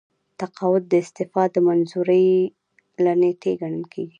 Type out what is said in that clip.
تقاعد د استعفا د منظورۍ له نیټې ګڼل کیږي.